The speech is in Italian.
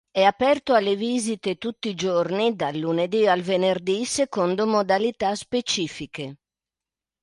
È aperto alle visite tutti i giorni dal lunedì al venerdì secondo modalità specifiche.